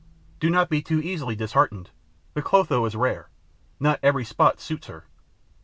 Do not be too easily disheartened: the Clotho is rare; not every spot suits her.